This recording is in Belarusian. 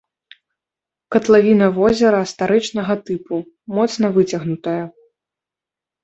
Катлавіна возера старычнага тыпу, моцна выцягнутая.